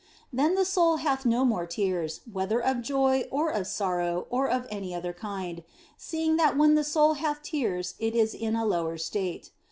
Then the soul hath no more tears, whether of joy or of sorrow or of any other kind, seeing that when the soul hath tears it is in a lower state.